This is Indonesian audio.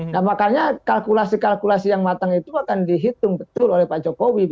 nah makanya kalkulasi kalkulasi yang matang itu akan dihitung betul oleh pak jokowi